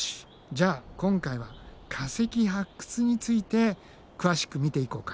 じゃあ今回は化石発掘について詳しく見ていこうか。